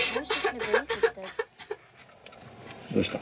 どうした？